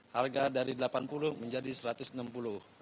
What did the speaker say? harga dari rp delapan puluh menjadi rp satu ratus enam puluh